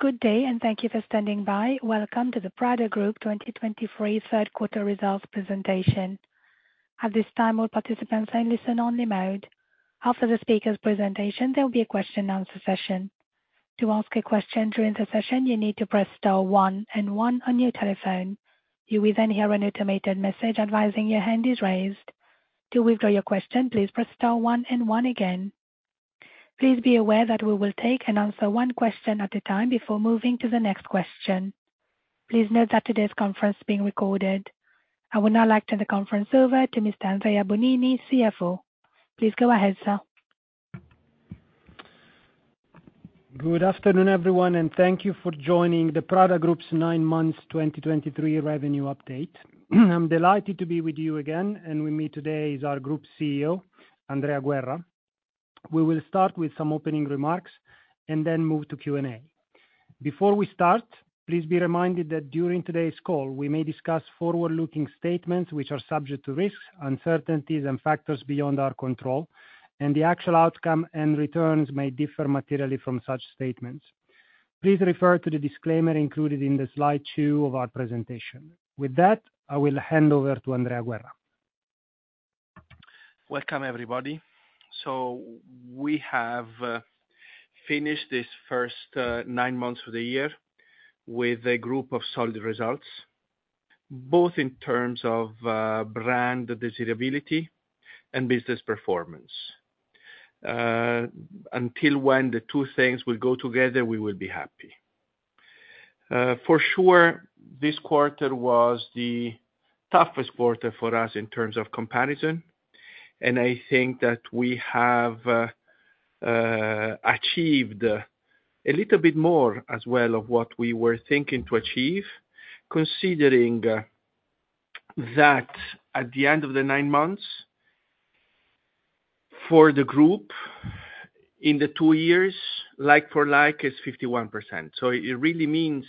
Good day, and thank you for standing by. Welcome to the Prada Group 2023 third quarter results presentation. At this time, all participants are in listen only mode. After the speaker's presentation, there will be a question and answer session. To ask a question during the session, you need to press star one and one on your telephone. You will then hear an automated message advising your hand is raised. To withdraw your question, please press star one and one again. Please be aware that we will take and answer one question at a time before moving to the next question. Please note that today's conference is being recorded. I would now like to turn the conference over to Mr. Andrea Bonini, CFO. Please go ahead, sir. Good afternoon, everyone, and thank you for joining the Prada Group's nine months 2023 revenue update. I'm delighted to be with you again, and with me today is our Group CEO, Andrea Guerra. We will start with some opening remarks and then move to Q&A. Before we start, please be reminded that during today's call, we may discuss forward-looking statements which are subject to risks, uncertainties, and factors beyond our control, and the actual outcome and returns may differ materially from such statements. Please refer to the disclaimer included in the slide 2 of our presentation. With that, I will hand over to Andrea Guerra. Welcome, everybody. So we have finished this first nine months of the year with a group of solid results, both in terms of brand desirability and business performance. Until when the two things will go together, we will be happy. For sure, this quarter was the toughest quarter for us in terms of comparison, and I think that we have achieved a little bit more as well of what we were thinking to achieve, considering that at the end of the nine months, for the group, in the two years, like for like, is 51%. So it really means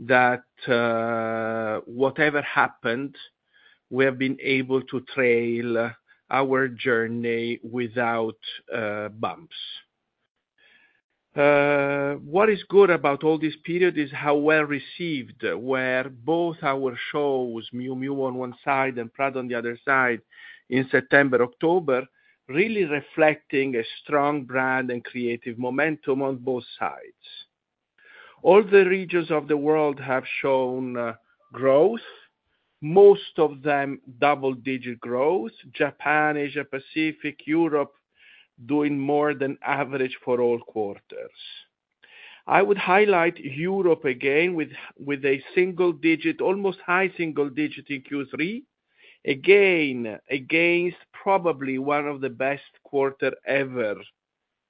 that whatever happened, we have been able to trail our journey without bumps. What is good about all this period is how well received, where both our shows, Miu Miu on one side and Prada on the other side, in September, October, really reflecting a strong brand and creative momentum on both sides. All the regions of the world have shown growth, most of them double-digit growth, Japan, Asia, Pacific, Europe, doing more than average for all quarters. I would highlight Europe again with a single digit, almost high single digit in Q3, again, against probably one of the best quarter ever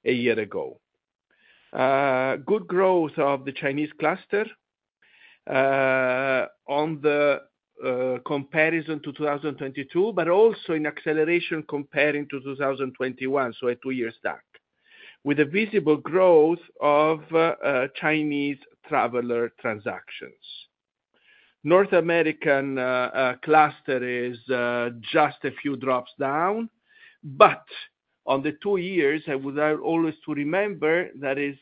a year ago. Good growth of the Chinese cluster on the comparison to 2022, but also in acceleration comparing to 2021, so a two-year stack, with a visible growth of Chinese traveler transactions. North American cluster is just a few drops down, but on the two years, I would like always to remember that is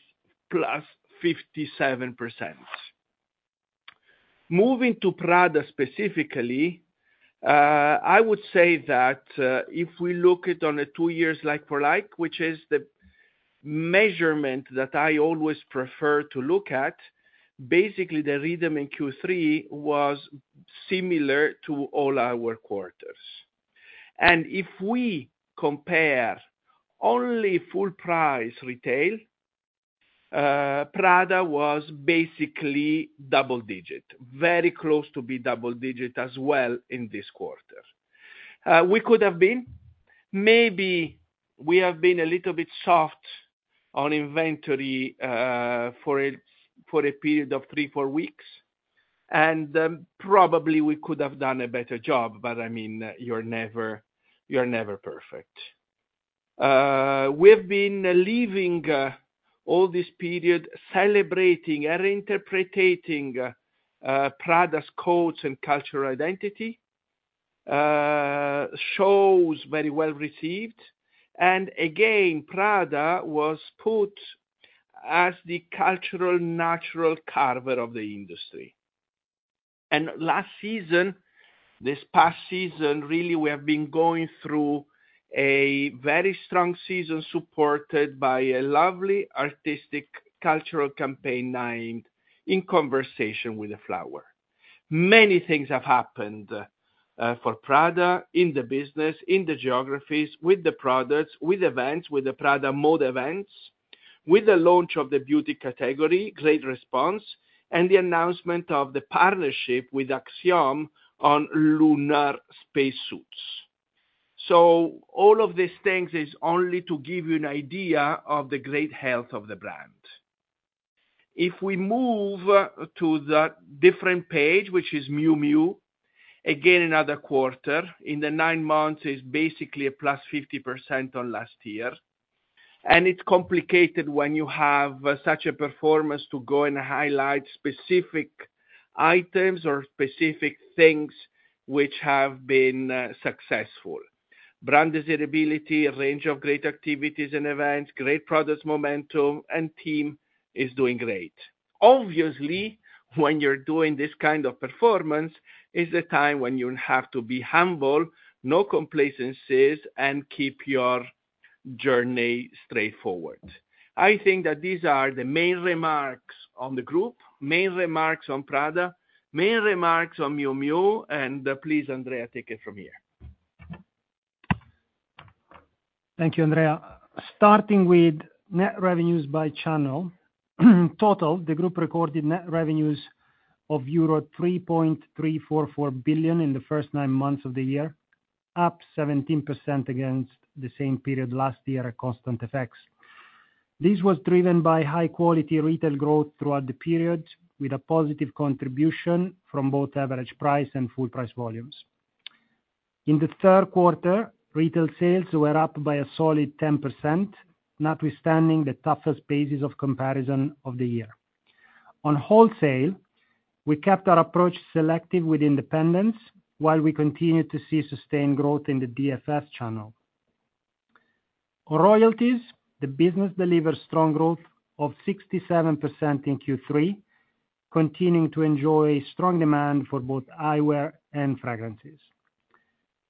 +57%. Moving to Prada specifically, I would say that, if we look at on a two years like for like, which is the measurement that I always prefer to look at, basically the rhythm in Q3 was similar to all our quarters. And if we compare only full price retail, Prada was basically double digit, very close to be double digit as well in this quarter. We could have been a little bit soft on inventory, for a period of 3-4 weeks, and probably we could have done a better job, but, I mean, you're never, you're never perfect. We've been living all this period celebrating and interpreting Prada's codes and cultural identity, shows very well received. And again, Prada was put as the cultural, natural curator of the industry. And last season, this past season, really, we have been going through a very strong season, supported by a lovely artistic cultural campaign, In Conversation with a Flower. Many things have happened for Prada in the business, in the geographies, with the products, with events, with the Prada Mode events, with the launch of the beauty category, great response, and the announcement of the partnership with Axiom on lunar spacesuits. So all of these things is only to give you an idea of the great health of the brand. If we move to the different page, which is Miu Miu again, another quarter. In the nine months, is basically +50% on last year. It's complicated when you have such a performance to go and highlight specific items or specific things which have been successful: brand desirability, a range of great activities and events, great products, momentum, and team is doing great. Obviously, when you're doing this kind of performance, is the time when you have to be humble, no complacencies, and keep your journey straightforward. I think that these are the main remarks on the group, main remarks on Prada, main remarks on Miu Miu and please, Andrea, take it from here. Thank you, Andrea. Starting with net revenues by channel, total, the group recorded net revenues of euro 3.344 billion in the first nine months of the year, up 17% against the same period last year at constant effects. This was driven by high-quality retail growth throughout the period, with a positive contribution from both average price and full price volumes. In the third quarter, retail sales were up by a solid 10%, notwithstanding the toughest basis of comparison of the year. On wholesale, we kept our approach selective with independence, while we continued to see sustained growth in the DFS channel. Royalties, the business delivered strong growth of 67% in Q3, continuing to enjoy strong demand for both eyewear and fragrances.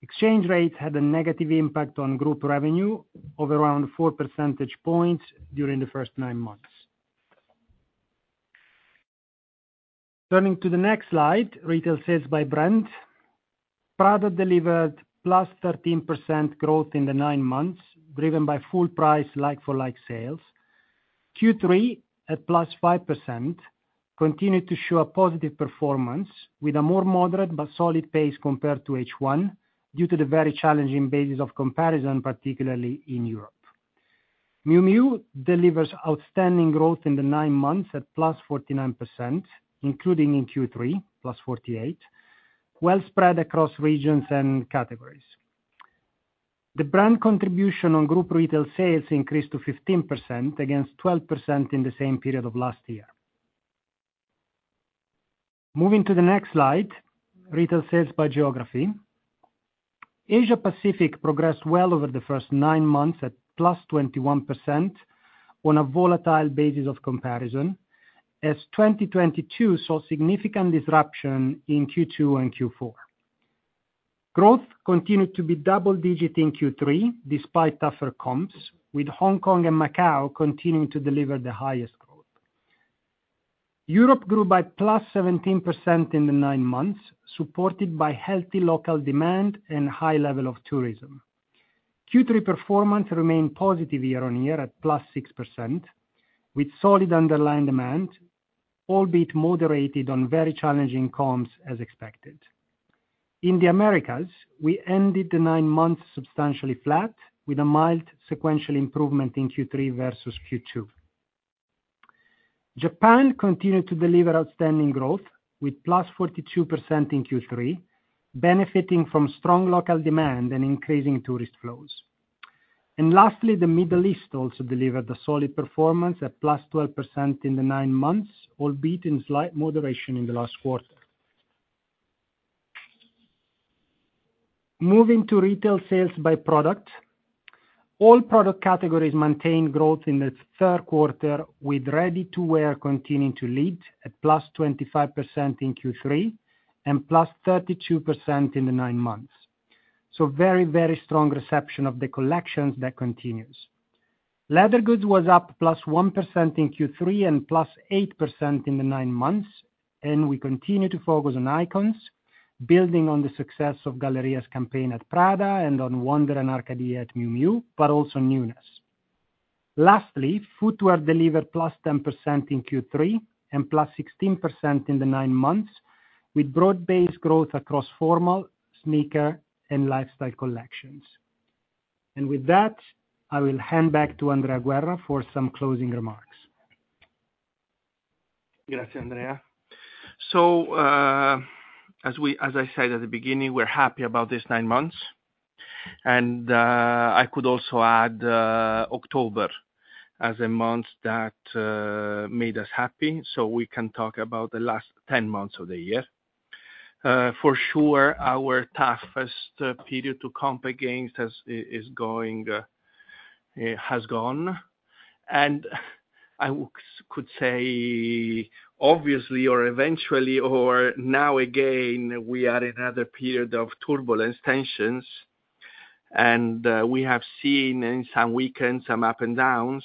Exchange rates had a negative impact on group revenue of around four percentage points during the first nine months. Turning to the next slide, retail sales by brand. Prada delivered +13% growth in the 9 months, driven by full price, like-for-like sales. Q3, at +5%, continued to show a positive performance, with a more moderate but solid pace compared to H1, due to the very challenging basis of comparison, particularly in Europe. Miu Miu delivers outstanding growth in the nine months at +49%, including in Q3, +48%, well spread across regions and categories. The brand contribution on group retail sales increased to 15%, to 12% in the same period of last year. Moving to the next slide, retail sales by geography. Asia Pacific progressed well over the first nine months at +21% on a volatile basis of comparison, as 2022 saw significant disruption in Q2 and Q4. Growth continued to be double-digit in Q3, despite tougher comps, with Hong Kong and Macau continuing to deliver the highest growth. Europe grew by +17% in the nine months, supported by healthy local demand and high level of tourism. Q3 performance remained positive year-on-year at +6%, with solid underlying demand, albeit moderated on very challenging comps as expected. In the Americas, we ended the nine months substantially flat, with a mild sequential improvement in Q3 versus Q2. Japan continued to deliver outstanding growth with +42% in Q3, benefiting from strong local demand and increasing tourist flows. And lastly, the Middle East also delivered a solid performance at +12% in the nine months, albeit in slight moderation in the last quarter. Moving to retail sales by product. All product categories maintained growth in the third quarter, with ready-to-wear continuing to lead at +25% in Q3 to +32% in the nine months. So very, very strong reception of the collections that continues. Leather goods was up +1% in Q3 to +8% in the nine months, and we continue to focus on icons, building on the success of Galleria's campaign at Prada and on Wander and Arcadie at Miu Miu but also newness. Lastly, footwear delivered +10% in Q3 to+16% in the nine months, with broad-based growth across formal, sneaker, and lifestyle collections. With that, I will hand back to Andrea Guerra for some closing remarks. Grazie, Andrea. So, as I said at the beginning, we're happy about this nine months. And, I could also add, October as a month that made us happy, so we can talk about the last 10 months of the year. For sure, our toughest period to comp against has gone. And I could say, obviously or eventually or now again, we are in another period of turbulence, tensions. And, we have seen in some weekends some ups and downs,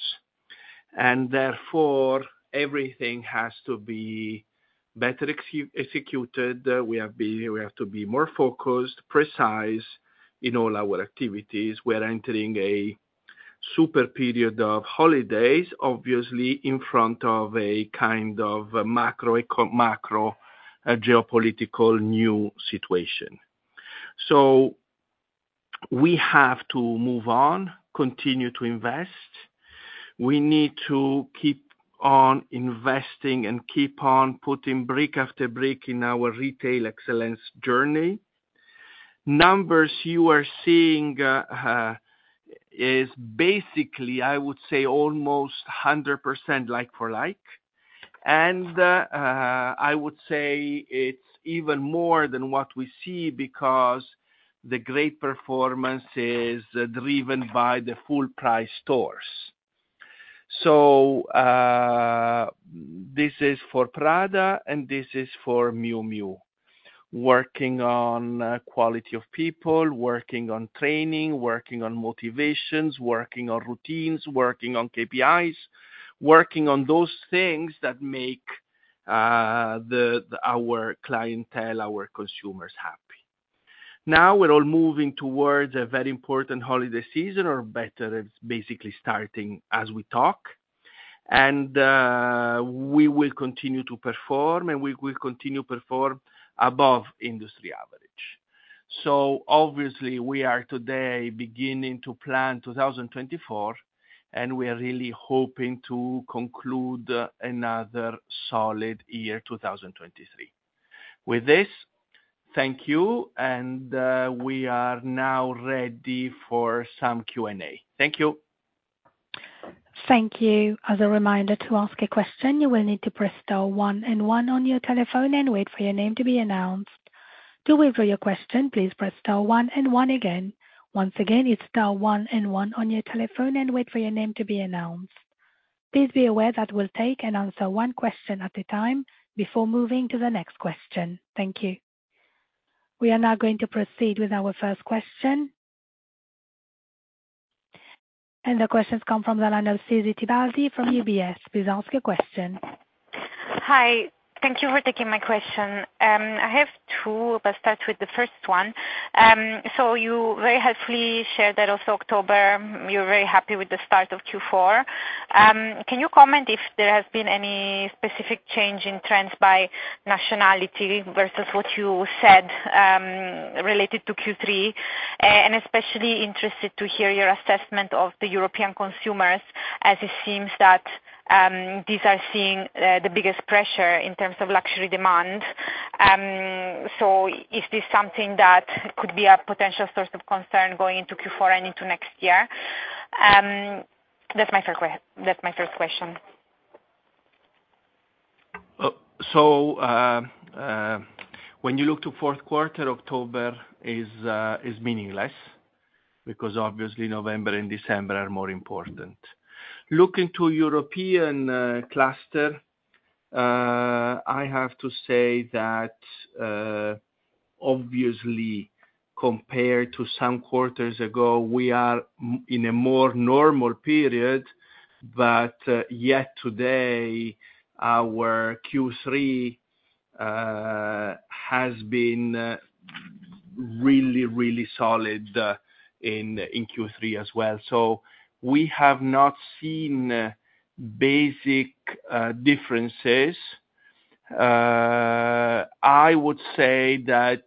and therefore, everything has to be better executed. We have to be more focused, precise in all our activities. We are entering a super period of holidays, obviously in front of a kind of a macroeconomic, a geopolitical new situation. So we have to move on, continue to invest. We need to keep on investing and keep on putting brick after brick in our retail excellence journey. Numbers you are seeing is basically, I would say, almost 100% like for like. I would say it's even more than what we see because the great performance is driven by the full price stores. So, this is for Prada, and this is for Miu Miu working on quality of people, working on training, working on motivations, working on routines, working on KPIs, working on those things that make our clientele, our consumers happy. Now we're all moving towards a very important holiday season, or better, it's basically starting as we talk. We will continue to perform, and we will continue to perform above industry average. So obviously, we are today beginning to plan 2024, and we are really hoping to conclude another solid year, 2023. With this, thank you, and we are now ready for some Q&A. Thank you. Thank you. As a reminder, to ask a question, you will need to press star one and one on your telephone and wait for your name to be announced. To withdraw your question, please press star one and one again. Once again, it's star one and one on your telephone and wait for your name to be announced. Please be aware that we'll take and answer one question at a time before moving to the next question. Thank you. We are now going to proceed with our first question. The question's come from Susy Tibaldi from UBS. Please ask your question. Hi, thank you for taking my question. I have two, but start with the first one. You very helpfully shared that also October, you're very happy with the start of Q4. Can you comment if there has been any specific change in trends by nationality versus what you said, related to Q3? Especially interested to hear your assessment of the European consumers, as it seems that these are seeing the biggest pressure in terms of luxury demand. Is this something that could be a potential source of concern going into Q4 and into next year? That's my first question. So, when you look to fourth quarter, October is meaningless, because obviously November and December are more important. Looking to European cluster, I have to say that, obviously, compared to some quarters ago, we are in a more normal period, but, yet today, our Q3 has been really, really solid in Q3 as well. So we have not seen basic differences. I would say that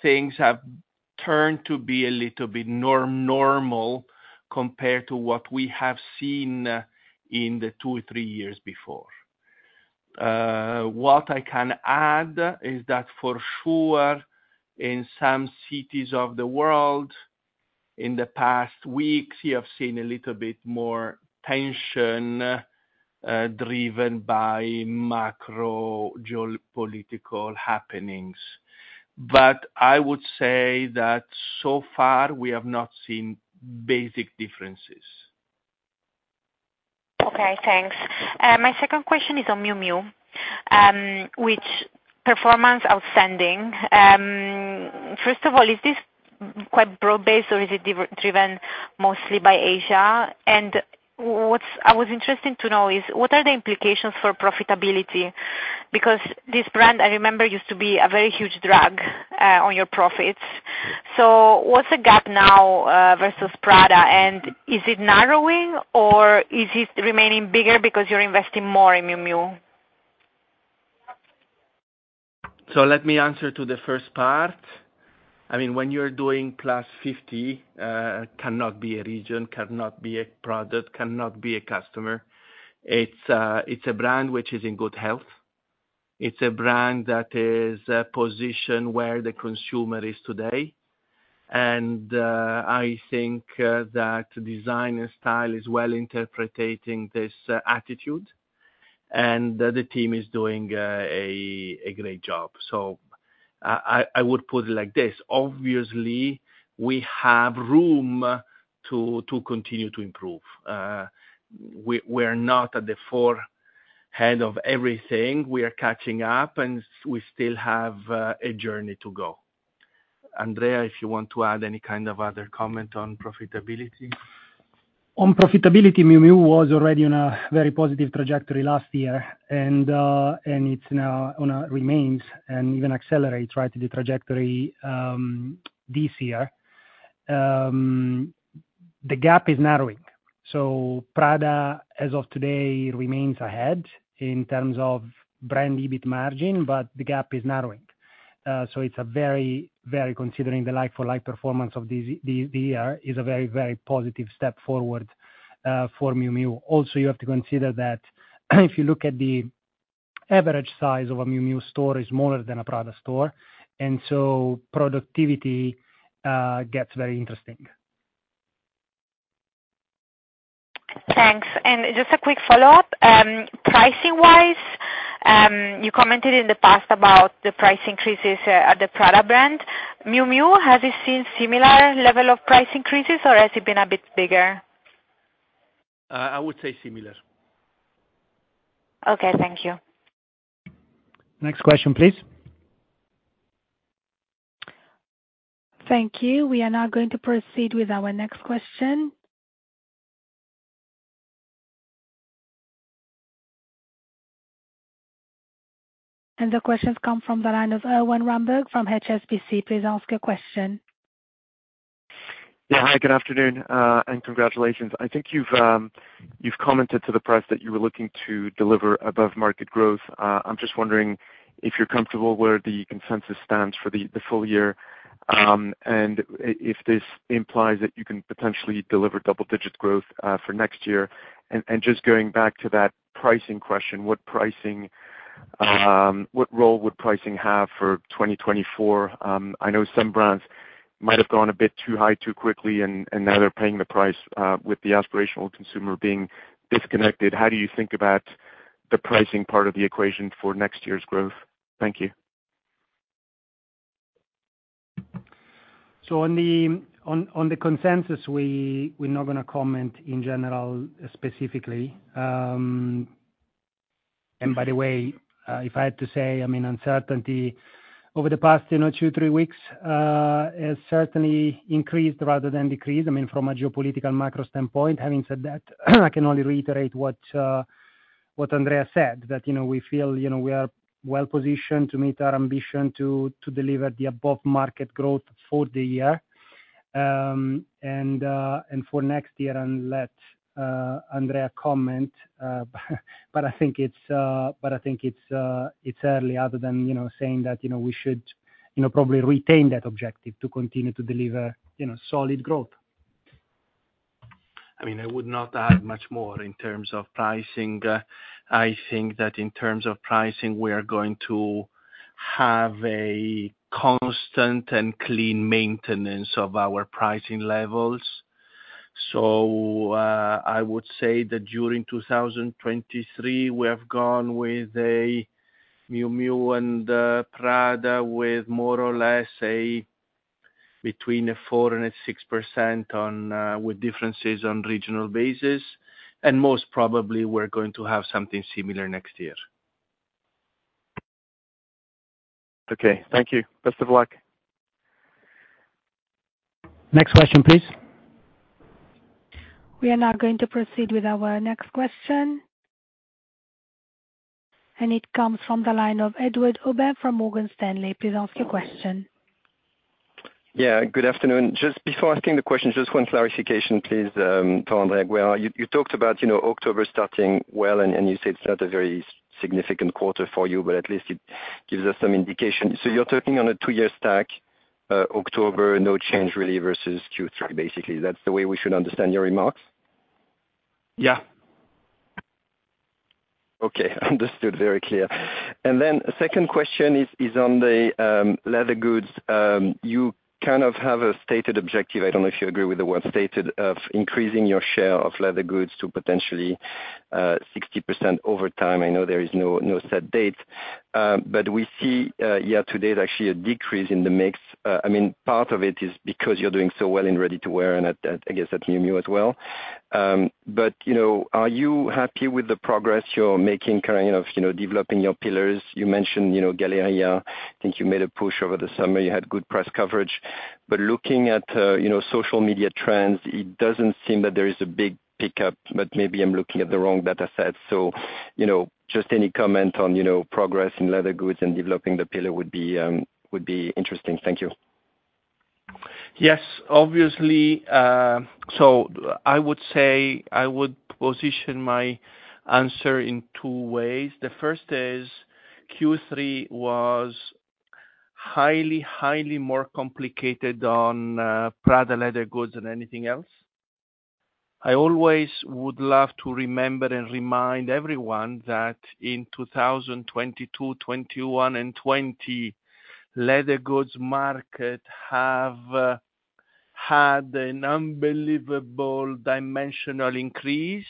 things have turned to be a little bit normal compared to what we have seen in the two or three years before. What I can add is that for sure, in some cities of the world, in the past weeks, we have seen a little bit more tension driven by macro geopolitical happenings. I would say that so far, we have not seen basic differences. Okay, thanks. My second question is on Miu Miu which performance, outstanding. First of all, is this quite broad-based, or is it driven mostly by Asia? And what's—I was interested to know is, what are the implications for profitability? Because this brand, I remember, used to be a very huge drag on your profits. So what's the gap now, versus Prada? And is it narrowing, or is it remaining bigger because you're investing more in Miu Miu? So let me answer to the first part. I mean, when you're doing +50%, cannot be a region, cannot be a product, cannot be a customer. It's a, it's a brand which is in good health. It's a brand that is a position where the consumer is today. And, I think, that design and style is well interpreting this attitude, and the team is doing a great job. So I would put it like this: obviously, we have room to continue to improve. We're not at the forefront of everything. We are catching up, and we still have a journey to go. Andrea, if you want to add any kind of other comment on profitability? On profitability, Miu Miu was already on a very positive trajectory last year, and and it's now on a remains and even accelerates, right, the trajectory this year. The gap is narrowing. So Prada, as of today, remains ahead in terms of brand EBIT margin, but the gap is narrowing. So it's a very, very considering the like-for-like performance of this year, is a very, very positive step forward for Miu Miu. Also, you have to consider that, if you look at the average size of a Miu Miu store is smaller than a Prada store, and so productivity gets very interesting. Thanks. Just a quick follow-up. Pricing-wise, you commented in the past about the price increases at the Prada brand. Miu Miu has it seen similar level of price increases, or has it been a bit bigger? I would say similar. Okay, thank you. Next question, please. Thank you. We are now going to proceed with our next question. The question comes from the line of Erwan Rambourg from HSBC. Please ask your question. Yeah, hi, good afternoon, and congratulations. I think you've commented to the press that you were looking to deliver above-market growth. I'm just wondering if you're comfortable where the consensus stands for the full year, and if this implies that you can potentially deliver double-digit growth for next year. Just going back to that pricing question, what role would pricing have for 2024? I know some brands might have gone a bit too high, too quickly, and now they're paying the price with the aspirational consumer being disconnected. How do you think about the pricing part of the equation for next year's growth? Thank you. So on the consensus, we're not gonna comment in general, specifically. And by the way, if I had to say, I mean, uncertainty over the past, you know, two, three weeks has certainly increased rather than decreased, I mean, from a geopolitical macro standpoint. Having said that, I can only reiterate what Andrea said, that, you know, we feel, you know, we are well positioned to meet our ambition to deliver the above-market growth for the year. And for next year, and let Andrea comment, but I think it's early, other than, you know, saying that, you know, we should, you know, probably retain that objective to continue to deliver, you know, solid growth. I mean, I would not add much more in terms of pricing. I think that in terms of pricing, we are going to have a constant and clean maintenance of our pricing levels. So, I would say that during 2023, we have gone with a Miu Miu and Prada with more or less a between 4% to 6% on, with differences on regional basis, and most probably we're going to have something similar next year. Okay, thank you. Best of luck. Next question, please. We are now going to proceed with our next question, and it comes from the line of Edouard Aubin from Morgan Stanley. Please ask your question. Yeah, good afternoon. Just before asking the question, just one clarification, please, for Andrea. Well, you, you talked about, you know, October starting well and, and you said it's not a very significant quarter for you, but at least it gives us some indication. So you're talking on a two-year stack, October, no change really, versus Q3, basically. That's the way we should understand your remarks? Yeah. Okay, understood. Very clear. And then second question is on the leather goods. You kind of have a stated objective, I don't know if you agree with the word stated, of increasing your share of leather goods to potentially 60% over time. I know there is no set date, but we see year-to-date actually a decrease in the mix. I mean, part of it is because you're doing so well in ready-to-wear and at, I guess, at Miu Miu as well. But you know, are you happy with the progress you're making kind of, you know, developing your pillars? You mentioned, you know, Galleria. I think you made a push over the summer. You had good press coverage. But looking at, you know, social media trends, it doesn't seem that there is a big pickup, but maybe I'm looking at the wrong data set. So, you know, just any comment on, you know, progress in leather goods and developing the pillar would be, would be interesting. Thank you. Yes, obviously, so I would say I would position my answer in two ways. The first is Q3 was highly, highly more complicated on Prada leather goods than anything else. I always would love to remember and remind everyone that in 2022, 2021 and 2020, leather goods market have had an unbelievable dimensional increase.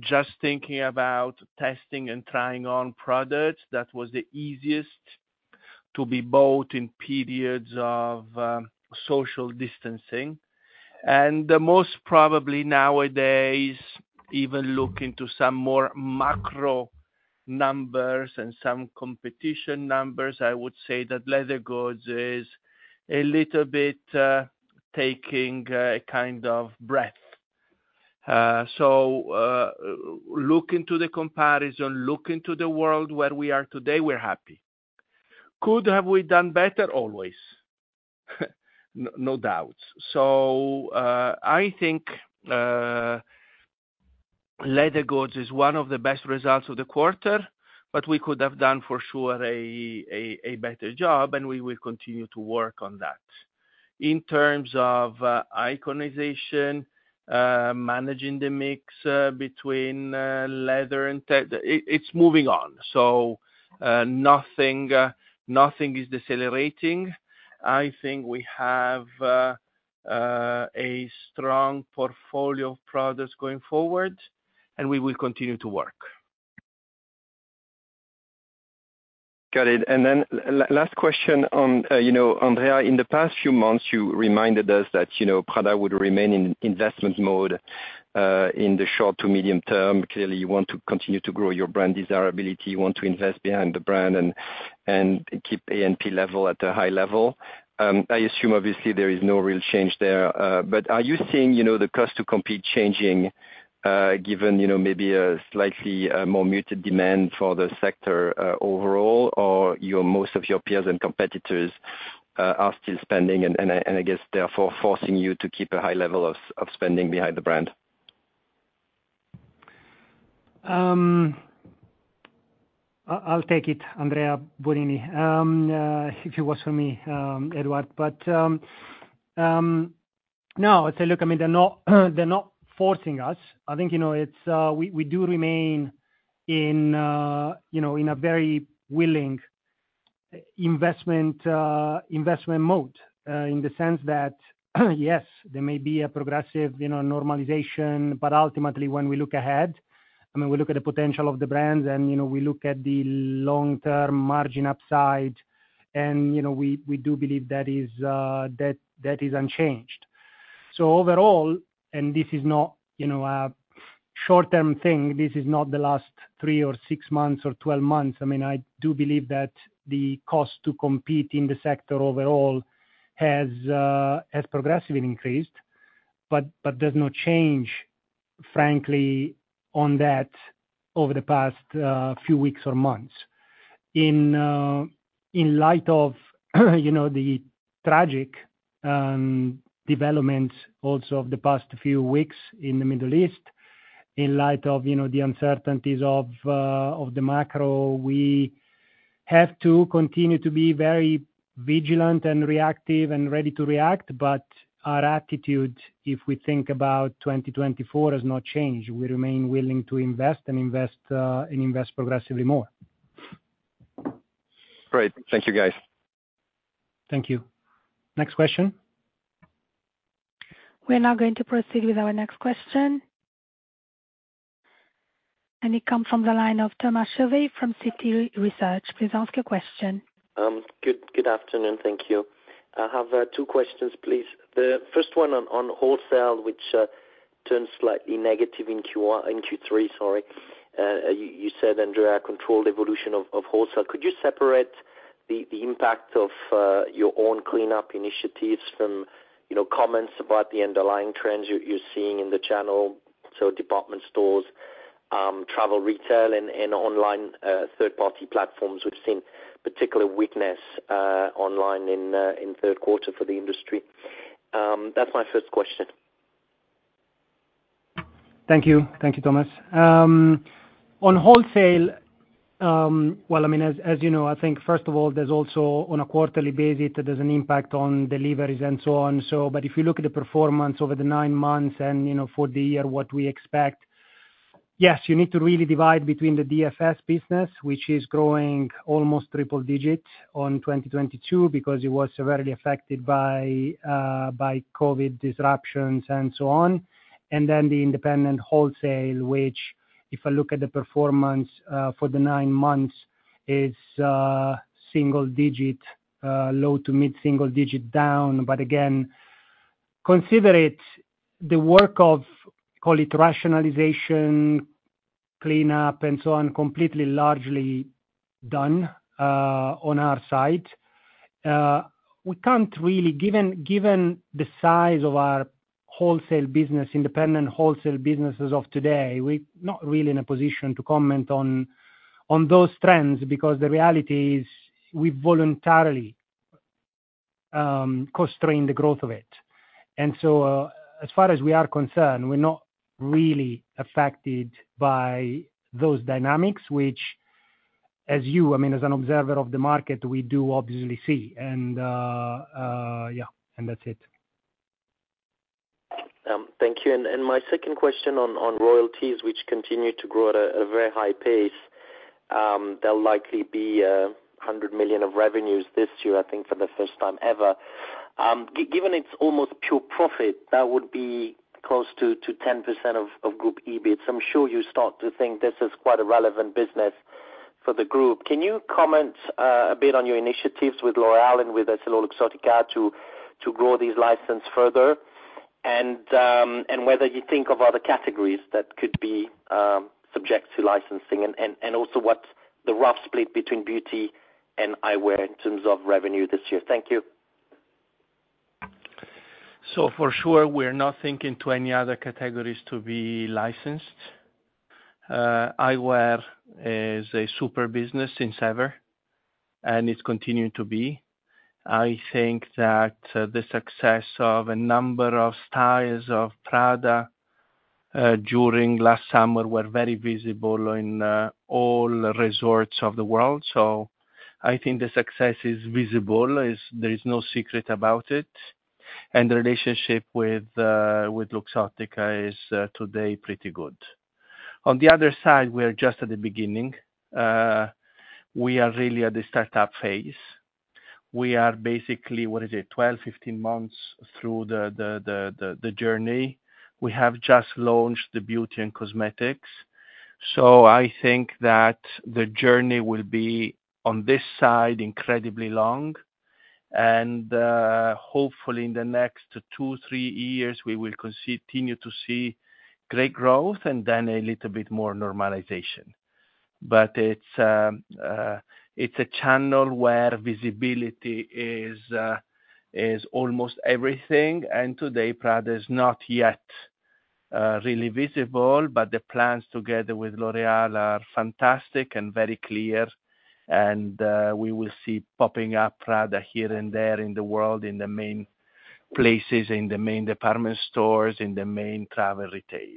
Just thinking about testing and trying on products, that was the easiest to be bought in periods of social distancing. And the most probably nowadays, even looking to some more macro numbers and some competition numbers, I would say that leather goods is a little bit taking a kind of breath. So, looking to the comparison, looking to the world where we are today, we're happy. Could have we done better? Always. No doubts. So, I think leather goods is one of the best results of the quarter, but we could have done for sure a better job, and we will continue to work on that. In terms of iconization, managing the mix between leather and it, it's moving on. So, nothing is decelerating. I think we have a strong portfolio of products going forward, and we will continue to work. Got it. And then last question on, you know, Andrea, in the past few months, you reminded us that, you know, Prada would remain in investment mode, in the short to medium term. Clearly, you want to continue to grow your brand desirability, you want to invest behind the brand and keep ANP level at a high level. I assume obviously there is no real change there, but are you seeing, you know, the cost to compete changing, given, you know, maybe a slightly more muted demand for the sector, overall? Or your most of your peers and competitors are still spending and I guess, therefore, forcing you to keep a high level of spending behind the brand? I'll take it, Andrea Bonini. If it was for me, Edward. But no, so look, I mean, they're not, they're not forcing us. I think, you know, it's we do remain in, you know, in a very willing investment investment mode. In the sense that, yes, there may be a progressive, you know, normalization, but ultimately, when we look ahead, I mean, we look at the potential of the brands, and, you know, we look at the long-term margin upside, and, you know, we do believe that is, that that is unchanged. So overall, and this is not, you know, a short-term thing, this is not the last three or six months or 12 months, I mean, I do believe that the cost to compete in the sector overall has, has progressively increased, but, but there's no change, frankly, on that over the past, few weeks or months. In, in light of, you know, the tragic, developments also of the past few weeks in the Middle East, in light of, you know, the uncertainties of, of the macro, we have to continue to be very vigilant and reactive and ready to react, but our attitude, if we think about 2024, has not changed. We remain willing to invest and invest, and invest progressively more. Great. Thank you, guys. Thank you. Next question? We're now going to proceed with our next question. It comes from the line of Thomas Chauvet from Citi Research. Please ask your question. Good afternoon. Thank you. I have two questions, please. The first one on wholesale, which turned slightly negative in Q1... In Q3, sorry. You said Andrea, controlled evolution of wholesale. Could you separate the impact of your own cleanup initiatives from, you know, comments about the underlying trends you're seeing in the channel? So department stores, travel retail and online third-party platforms, we've seen particular weakness online in third quarter for the industry. That's my first question. Thank you. Thank you, Thomas. On wholesale, well, I mean, as you know, I think first of all, there's also on a quarterly basis, there's an impact on deliveries and so on. So, but if you look at the performance over the nine months and, you know, for the year, what we expect, yes, you need to really divide between the DFS business, which is growing almost triple-digit on 2022 because it was severely affected by by COVID disruptions and so on. And then the independent wholesale, which if I look at the performance for the nine months, is single-digit, low- to mid-single-digit down. But again, consider it the work of, call it rationalization, cleanup, and so on, completely, largely done on our side. We can't really, given the size of our wholesale business, independent wholesale businesses of today, we're not really in a position to comment on those trends, because the reality is we voluntarily constrain the growth of it. And so, as far as we are concerned, we're not really affected by those dynamics, which as you, I mean, as an observer of the market, we do obviously see. And, yeah, and that's it. Thank you. And my second question on royalties, which continue to grow at a very high pace. They'll likely be 100 million of revenues this year, I think for the first time ever. Given it's almost pure profit, that would be close to 10% of group EBIT. I'm sure you start to think this is quite a relevant business for the group. Can you comment a bit on your initiatives with L'Oréal and with EssilorLuxottica to grow these licenses further? And whether you think of other categories that could be subject to licensing and also what the rough split between beauty and eyewear in terms of revenue this year. Thank you. So for sure, we're not thinking to any other categories to be licensed. Eyewear is a super business since ever, and it's continuing to be. I think that, the success of a number of styles of Prada-... during last summer were very visible in, all resorts of the world. So I think the success is visible, is, there is no secret about it, and the relationship with, with Luxottica is, today, pretty good. On the other side, we are just at the beginning. We are really at the start-up phase. We are basically, what is it? 12, 15 months through the journey. We have just launched the beauty and cosmetics, so I think that the journey will be, on this side, incredibly long, and hopefully, in the next two, three years, we will continue to see great growth and then a little bit more normalization. But it's a channel where visibility is almost everything, and today, Prada is not yet really visible, but the plans together with L'Oréal are fantastic and very clear. And we will see popping up Prada here and there in the world, in the main places, in the main department stores, in the main travel retail.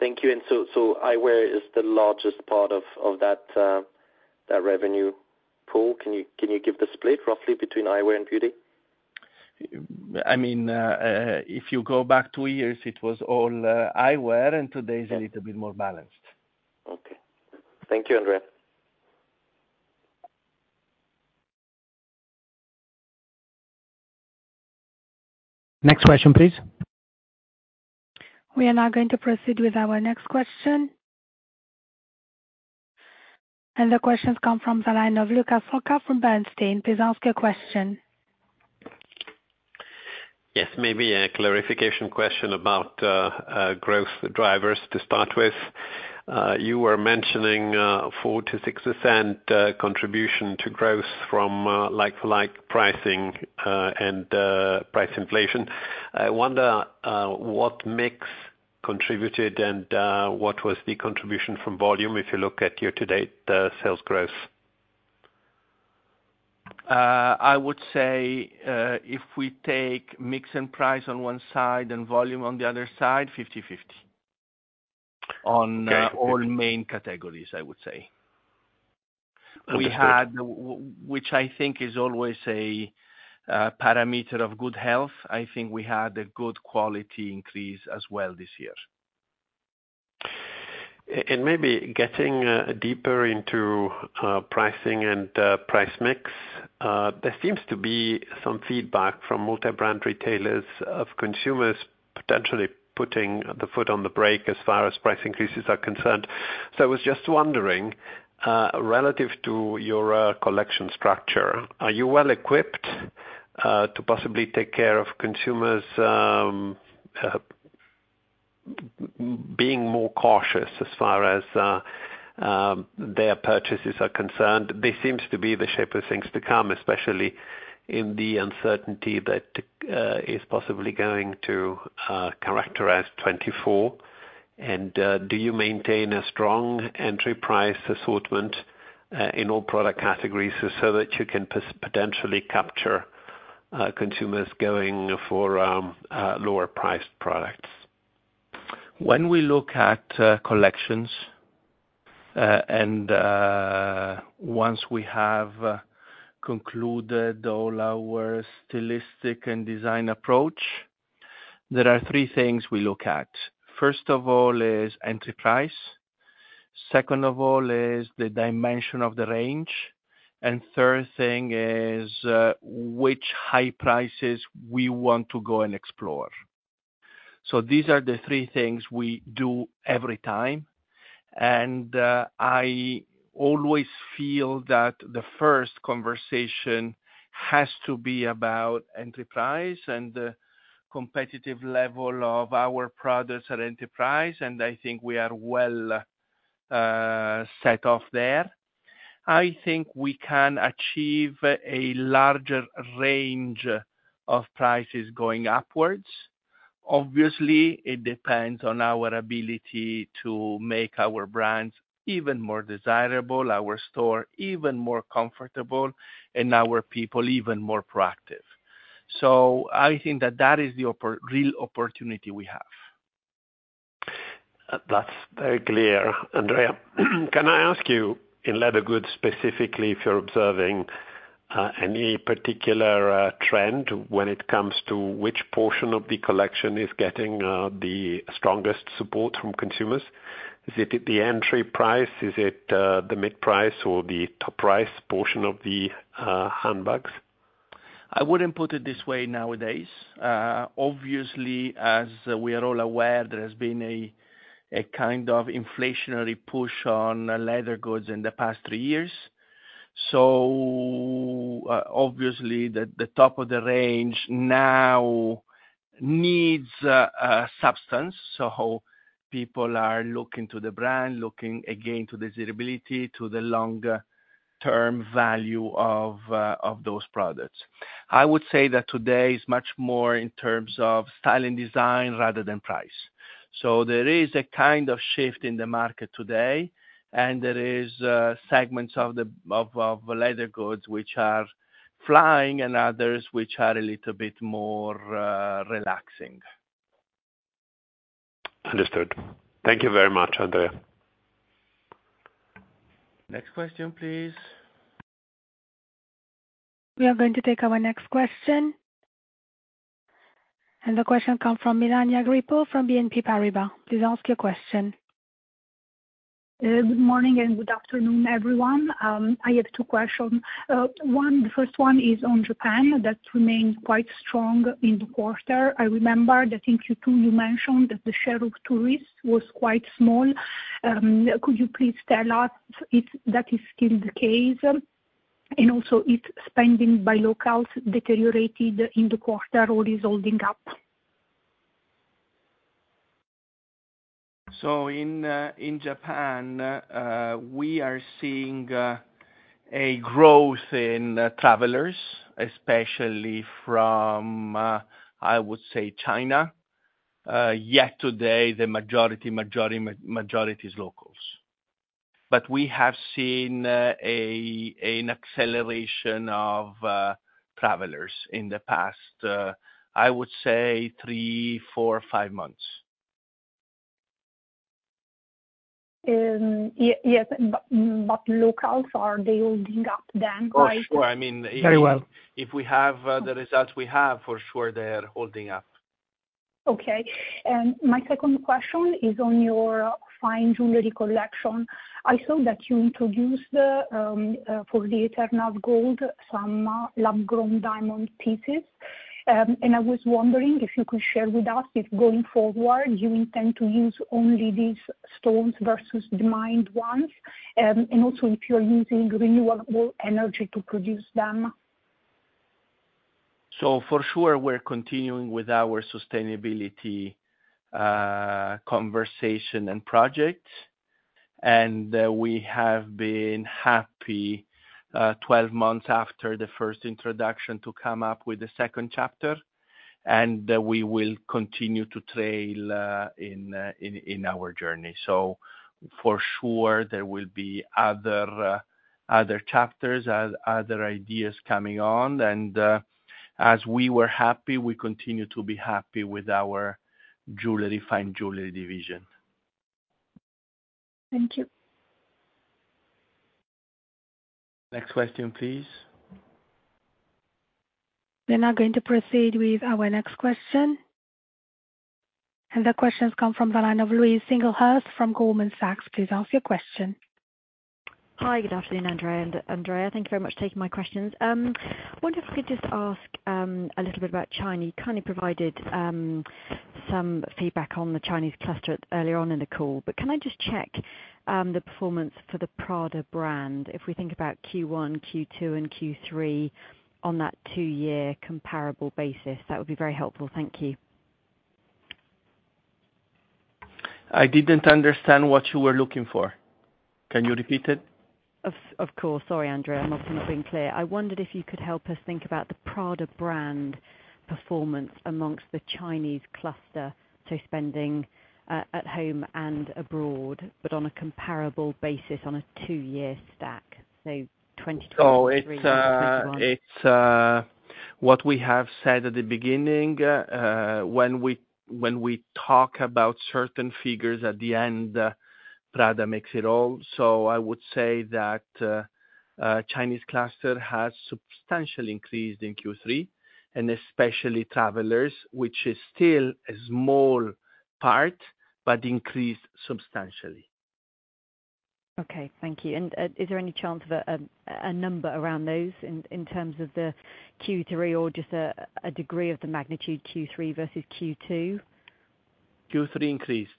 Thank you. So eyewear is the largest part of that revenue pool. Can you give the split roughly between eyewear and beauty? I mean, if you go back two years, it was all eyewear, and today is a little bit more balanced. Okay. Thank you, Andrea. Next question, please. We are now going to proceed with our next question. The question comes from the line of Luca Solca from Bernstein. Please ask your question. Yes, maybe a clarification question about growth drivers to start with. You were mentioning four to six percent contribution to growth from like-for-like pricing and price inflation. I wonder what mix contributed and what was the contribution from volume, if you look at year-to-date sales growth? I would say, if we take mix and price on one side and volume on the other side, 50/50- Okay. On all main categories, I would say. Understood. We had, which I think is always a parameter of good health. I think we had a good quality increase as well this year. Maybe getting deeper into pricing and price mix. There seems to be some feedback from multi-brand retailers of consumers potentially putting the foot on the brake as far as price increases are concerned. I was just wondering, relative to your collection structure, are you well equipped to possibly take care of consumers being more cautious as far as their purchases are concerned? This seems to be the shape of things to come, especially in the uncertainty that is possibly going to characterize 2024. Do you maintain a strong entry price assortment in all product categories, so that you can potentially capture consumers going for lower priced products? When we look at collections, and once we have concluded all our stylistic and design approach, there are three things we look at. First of all, is entry price. Second of all, is the dimension of the range. And third thing is, which high prices we want to go and explore. So these are the three things we do every time, and I always feel that the first conversation has to be about entry price and the competitive level of our products at entry price, and I think we are well set off there. I think we can achieve a larger range of prices going upwards. Obviously, it depends on our ability to make our brands even more desirable, our store even more comfortable, and our people even more proactive. So I think that that is the real opportunity we have. That's very clear, Andrea. Can I ask you, in leather goods, specifically, if you're observing any particular trend when it comes to which portion of the collection is getting the strongest support from consumers? Is it at the entry price? Is it the mid-price or the top price portion of the handbags? I wouldn't put it this way nowadays. Obviously, as we are all aware, there has been a kind of inflationary push on leather goods in the past three years. So obviously, the top of the range now needs substance, so people are looking to the brand, looking again to desirability, to the longer term value of those products. I would say that today is much more in terms of style and design rather than price... So there is a kind of shift in the market today, and there is segments of leather goods which are flying, and others which are a little bit more relaxing. Understood. Thank you very much, Andrea. Next question, please. We are going to take our next question. The question comes from Melania Grippo from BNP Paribas. Please ask your question. Good morning, and good afternoon, everyone. I have two question. One, the first one is on Japan. That remains quite strong in the quarter. I remember that in Q2, you mentioned that the share of tourists was quite small. Could you please tell us if that is still the case? And also, if spending by locals deteriorated in the quarter or is holding up? So in Japan, we are seeing a growth in travelers, especially from, I would say, China. Yet today, the majority is locals. But we have seen an acceleration of travelers in the past, I would say, three, four, five months. Yes, but locals, are they holding up then? For sure. I mean- Very well. If we have the results we have, for sure they are holding up. Okay. And my second question is on your fine jewelry collection. I saw that you introduced, for the Eternal Gold, some lab-grown diamond pieces. And I was wondering if you could share with us, if going forward, you intend to use only these stones versus the mined ones, and also if you're using renewable energy to produce them? So for sure, we're continuing with our sustainability conversation and project. And we have been happy, 12 months after the first introduction, to come up with the second chapter, and we will continue to trail in our journey. So for sure, there will be other chapters, other ideas coming on. And as we were happy, we continue to be happy with our jewelry, fine jewelry division. Thank you. Next question, please. We're now going to proceed with our next question. The question has come from the line of Louise Singlehurst from Goldman Sachs. Please ask your question. Hi, good afternoon, Andrea. And Andrea, thank you very much for taking my questions. I wonder if I could just ask, a little bit about China. You kindly provided, some feedback on the Chinese cluster earlier on in the call. But can I just check, the performance for the Prada brand, if we think about Q1, Q2, and Q3 on that two-year comparable basis? That would be very helpful. Thank you. I didn't understand what you were looking for. Can you repeat it? Of course. Sorry, Andrea, I'm not being clear. I wondered if you could help us think about the Prada brand performance among the Chinese cluster, so spending at home and abroad, but on a comparable basis on a two-year stack, so 2020- So it's what we have said at the beginning, when we talk about certain figures at the end, Prada makes it all. So I would say that Chinese cluster has substantially increased in Q3, and especially travelers, which is still a small part, but increased substantially. Okay, thank you. And is there any chance of a number around those in terms of Q3 or just a degree of the magnitude Q3 versus Q2? Q3 increased.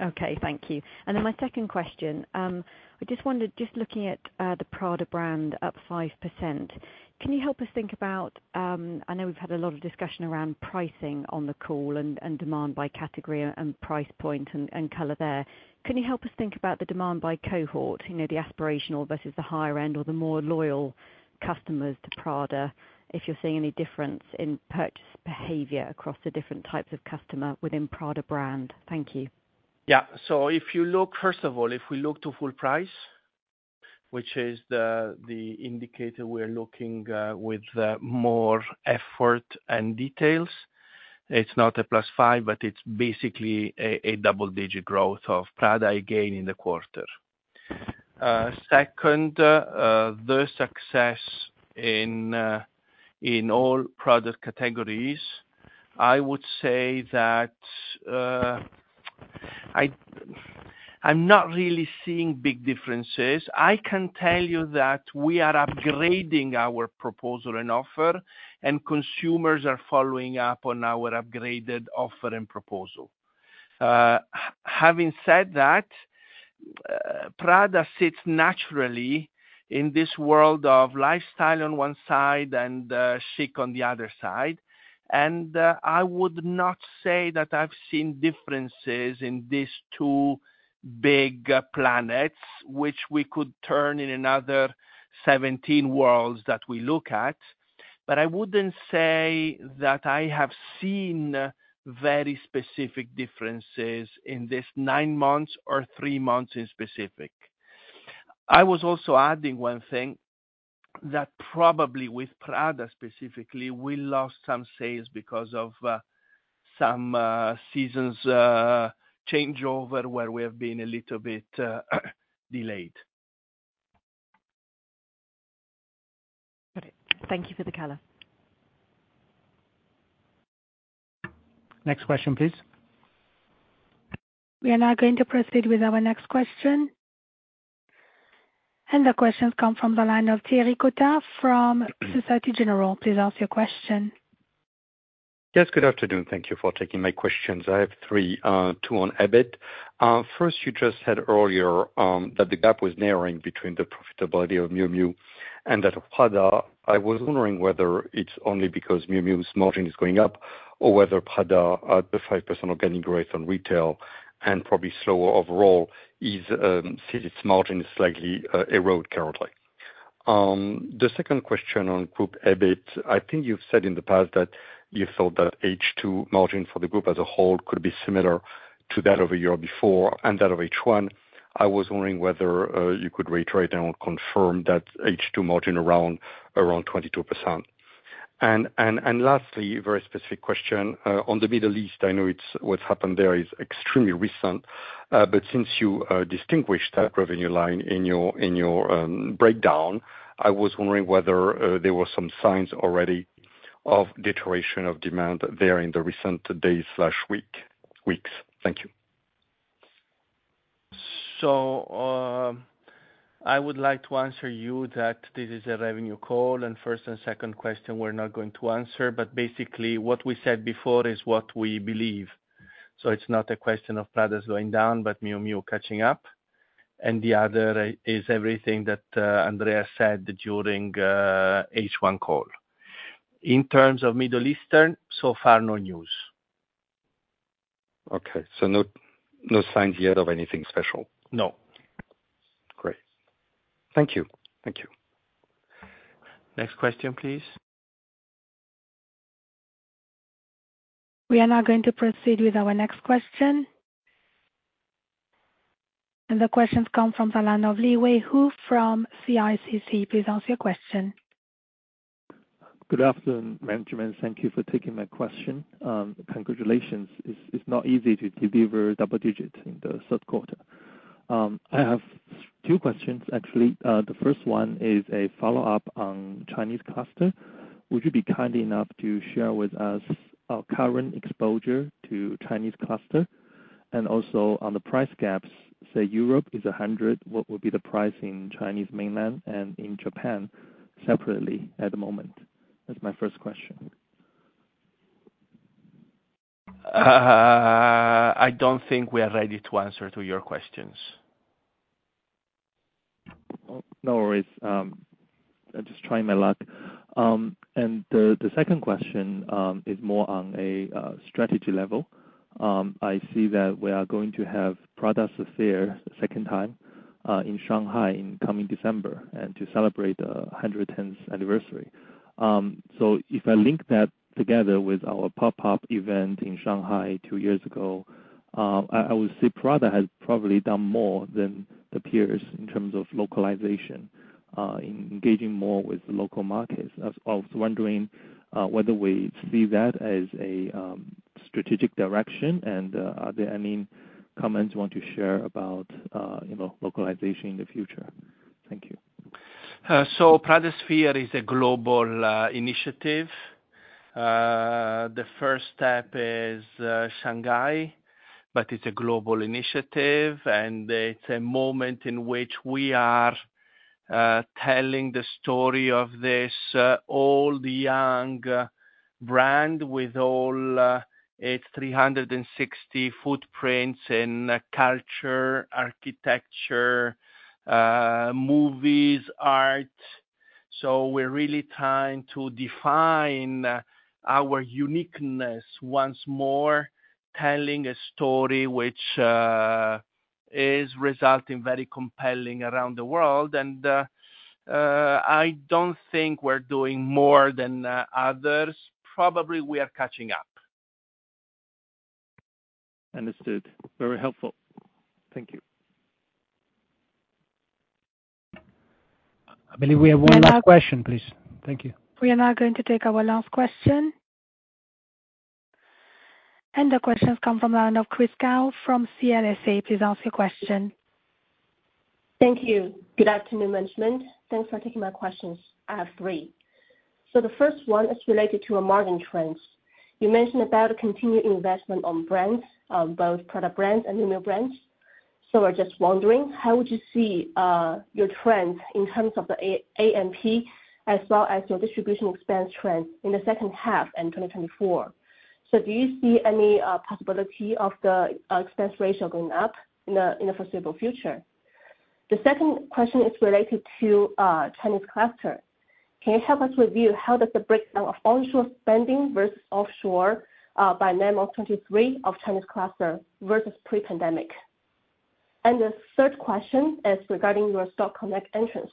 Okay, thank you. And then my second question, I just wondered, just looking at, the Prada brand up 5%, can you help us think about... I know we've had a lot of discussion around pricing on the call and, and demand by category and, and price point and, and color there. Can you help us think about the demand by cohort? You know, the aspirational versus the higher end or the more loyal customers to Prada, if you're seeing any difference in purchase behavior across the different types of customer within Prada brand. Thank you. Yeah. So if you look. First of all, if we look to full price, which is the indicator we're looking with more effort and details, it's not a +5, but it's basically a double-digit growth of Prada, again, in the quarter. Second, the success in all product categories, I would say that I'm not really seeing big differences. I can tell you that we are upgrading our proposal and offer, and consumers are following up on our upgraded offer and proposal. Having said that, Prada sits naturally in this world of lifestyle on one side and chic on the other side. And I would not say that I've seen differences in these two big planets, which we could turn in another 17 worlds that we look at. But I wouldn't say that I have seen very specific differences in this nine months or three months in specific. I was also adding one thing, that probably with Prada specifically, we lost some sales because of some seasons changeover, where we have been a little bit delayed. Got it. Thank you for the color. Next question, please. We are now going to proceed with our next question. The question come from the line of Thierry Cotta from Société Générale. Please ask your question. Yes, good afternoon. Thank you for taking my questions. I have three, two on EBIT. First, you just said earlier that the gap was narrowing between the profitability of Miu Miu and that of Prada. I was wondering whether it's only because Miu Miu's margin is going up, or whether Prada, at the 5% organic growth on retail and probably slower overall, sees its margin slightly erode currently. The second question on group EBIT, I think you've said in the past that you thought that H2 margin for the group as a whole could be similar to that of a year before and that of H1. I was wondering whether you could reiterate and confirm that H2 margin around 22%. And lastly, very specific question on the Middle East. I know it's what's happened there is extremely recent, but since you distinguished that revenue line in your breakdown, I was wondering whether there were some signs already of deterioration of demand there in the recent days/week, weeks. Thank you. I would like to answer you that this is a revenue call, and first and second question, we're not going to answer, but basically, what we said before is what we believe. It's not a question of Prada's going down but Miu Miu catching up, and the other is everything that Andrea said during H1 call. In terms of Middle East, so far, no news. Okay. So no, no signs yet of anything special? No. Great. Thank you. Thank you. Next question, please. We are now going to proceed with our next question. The question come from the line of Liwei Hu from CICC. Please ask your question. Good afternoon, gentlemen. Thank you for taking my question. Congratulations. It's, it's not easy to deliver double digits in the third quarter. I have two questions, actually. The first one is a follow-up on Chinese cluster. Would you be kind enough to share with us current exposure to Chinese cluster? And also, on the price gaps, say, Europe is 100, what would be the price in Chinese mainland and in Japan separately at the moment? That's my first question. I don't think we are ready to answer to your questions. Oh, no worries. I'm just trying my luck. And the second question is more on a strategy level. I see that we are going to have Pradasphere second time in Shanghai in coming December and to celebrate 110th anniversary. So if I link that together with our pop-up event in Shanghai two years ago, I would say Prada has probably done more than the peers in terms of localization in engaging more with the local markets. I was wondering whether we see that as a strategic direction, and are there any comments you want to share about, you know, localization in the future? Thank you. So Pradasphere is a global initiative. The first step is Shanghai, but it's a global initiative, and it's a moment in which we are telling the story of this old, young brand with all its 360 footprints in culture, architecture, movies, art. So we're really trying to define our uniqueness once more, telling a story which is resulting very compelling around the world. And I don't think we're doing more than others. Probably, we are catching up. Understood. Very helpful. Thank you. I believe we have one last question, please. Thank you. We are now going to take our last question. The question come from the line of Chris Gao from CLSA. Please ask your question. Thank you. Good afternoon, management. Thanks for taking my questions. I have three. So the first one is related to our margin trends. You mentioned about continued investment on brands, both product brands and in-house brands. So I'm just wondering, how would you see your trends in terms of the A&P, as well as your distribution expense trends in the second half in 2024? So do you see any possibility of the expense ratio going up in the foreseeable future? The second question is related to Chinese cluster. Can you help us review how does the breakdown of onshore spending versus offshore, by 9M 2023 of Chinese cluster versus pre-pandemic? And the third question is regarding your Stock Connect entrance.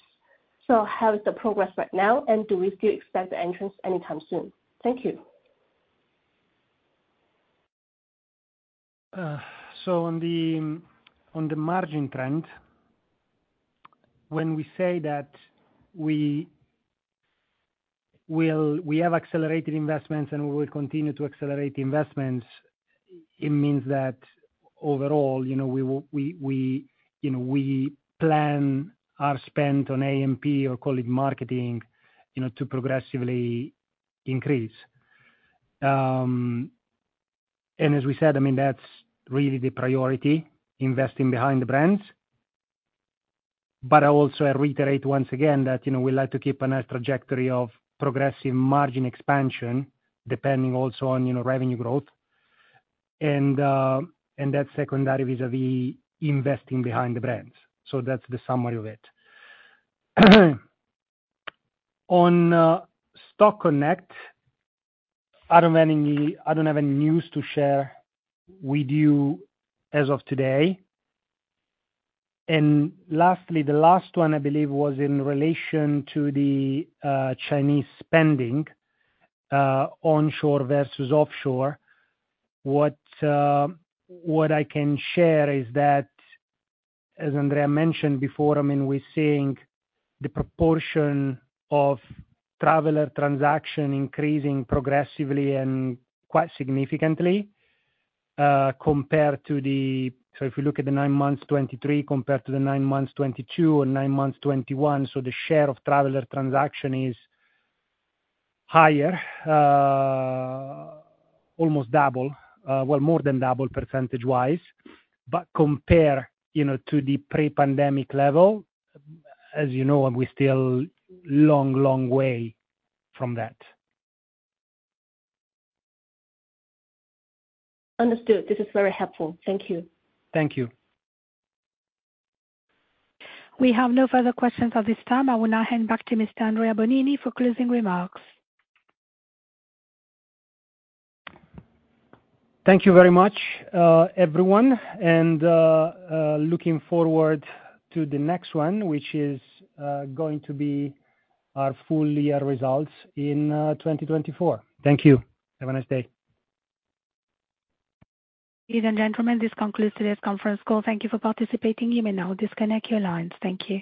So how is the progress right now, and do we still expect the entrance anytime soon? Thank you. So on the margin trend, when we say that we will—we have accelerated investments, and we will continue to accelerate the investments, it means that overall, you know, we plan our spend on AMP or call it marketing, you know, to progressively increase. And as we said, I mean, that's really the priority, investing behind the brands. But I also reiterate once again that, you know, we like to keep a nice trajectory of progressive margin expansion, depending also on, you know, revenue growth. And that's secondary vis-à-vis investing behind the brands. So that's the summary of it. On Stock Connect, I don't have any, I don't have any news to share with you as of today. And lastly, the last one, I believe, was in relation to the Chinese spending, onshore versus offshore. What I can share is that, as Andrea mentioned before, I mean, we're seeing the proportion of traveler transaction increasing progressively and quite significantly, compared to the... So if you look at the nine months 2023 compared to the nine months 2022 or nine months 2021, so the share of traveler transaction is higher, almost double, well, more than double percentage-wise. But compare, you know, to the pre-pandemic level, as you know, we're still long, long way from that. Understood. This is very helpful. Thank you. Thank you. We have no further questions at this time. I will now hand back to Mr. Andrea Bonini for closing remarks. Thank you very much, everyone, and looking forward to the next one, which is going to be our full year results in 2024. Thank you. Have a nice day. Ladies and gentlemen, this concludes today's conference call. Thank you for participating. You may now disconnect your lines. Thank you.